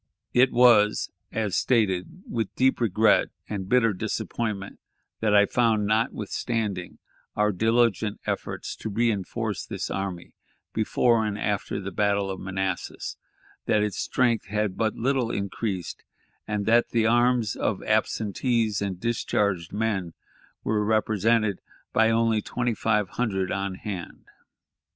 It was, as stated, with deep regret and bitter disappointment that I found, notwithstanding our diligent efforts to reënforce this army before and after the battle of Manassas, that its strength had but little increased, and that the arms of absentees and discharged men were represented by only twenty five hundred on hand.